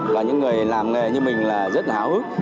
và những người làm nghề như mình là rất háo hức